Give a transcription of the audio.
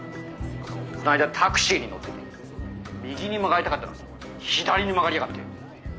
この間タクシーに乗ってて右に曲がりたかったのに左に曲がりやがって。